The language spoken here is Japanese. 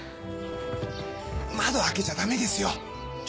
窓開けちゃ駄目ですよ。